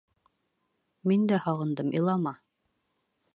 Мин дә һағындым, илама!